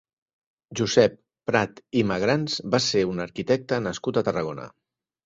Josep Prat i Magrans va ser un arquitecte nascut a Tarragona.